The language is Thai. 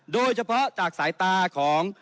โดยเฉพาะจากสายตาของ